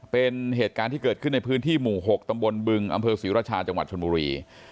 เป็นเหตุการณ์ที่เกิดขึ้นในพื้นที่หมู่๖ตำบลบึงอสิรชาจชนบุรี